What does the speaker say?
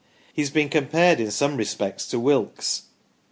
He has been compared in some respects to Wilkes.